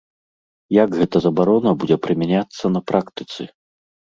Як гэта забарона будзе прымяняцца на практыцы?